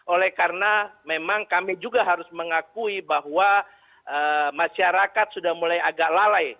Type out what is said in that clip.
oleh karena memang kami juga harus mengakui bahwa masyarakat sudah mulai agak lalai